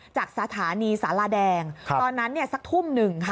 จากสถานีสาราแดงตอนนั้นสักทุ่มหนึ่งค่ะ